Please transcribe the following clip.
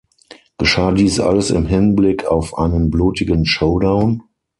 Geschah dies alles im Hinblick auf einen blutigen Showdown?